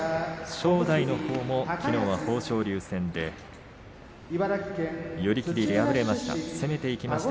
正代のほうはきのうは豊昇龍戦寄り切りで敗れました。